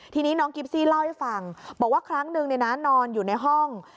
ทีนี้น้องกิฟซี่เล่าให้ฟังบอกว่าครั้งนึงนอนอยู่ในห้อง